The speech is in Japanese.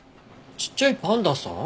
ちっちゃいパンダさん？